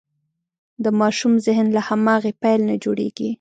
د ماشوم ذهن له هماغې پیل نه جوړېږي.